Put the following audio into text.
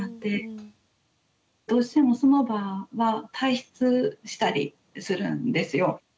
どうしてもその場は退室したりするんですよ。